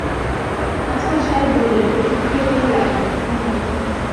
আফসার সাহেব বললেন, অষুধ খেয়ে কোনো লাভ নেই, ঘুম আসবে না।